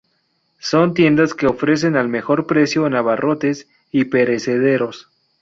Son tiendas que ofrecen al mejor precio en abarrotes y perecederos.